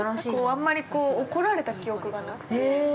◆あんまり怒られた記憶がなくて。